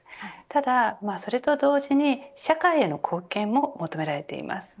ただそれと同時に社会への貢献も求められています。